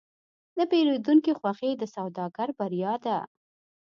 د پیرودونکي خوښي د سوداګر بریا ده.